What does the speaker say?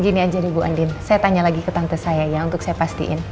gini aja deh bu andin saya tanya lagi ke tante saya ya untuk saya pastiin